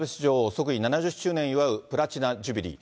即位７０周年を祝うプラチナ・ジュビリー。